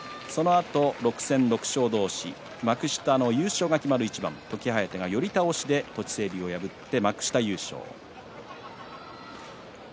６戦６勝同士幕下の優勝が決まる一番時疾風が寄り倒して栃清龍を破って幕下優勝。